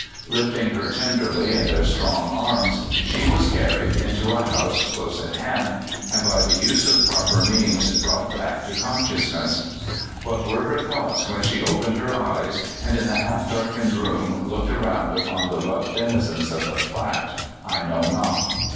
Lifting her tenderly in their strong arms, she was carried into a house close at hand, and by the use of proper means brought back to conscious ness. What were her thoughts w^hen she opened her eyes and in the half darkened room looked around upon the rough denizens of the flat, I know not.